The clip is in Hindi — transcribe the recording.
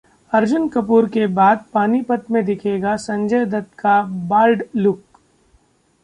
अर्जुन कपूर के बाद पानीपत में दिखेगा संजय दत्त का 'बाल्ड' लुक!